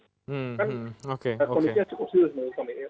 kondisinya cukup serius menurut saya